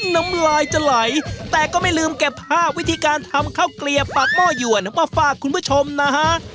น้ำลายจะไหลแต่ก็ไม่ลืมเก็บภาพวิธีการทำข้าวเกลียบปากหม้อยวนมาฝากคุณผู้ชมนะฮะ